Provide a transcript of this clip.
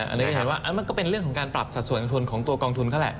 อันนี้ก็เห็นว่ามันก็เป็นเรื่องของการปรับสัดส่วนทุนของตัวกองทุนเขาแหละ